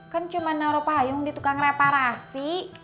kan cuma naruh payung di tukang reparasi